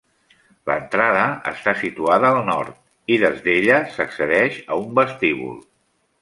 L'entrada està situada al nord, i des d'ella s'accedeix a un vestíbul.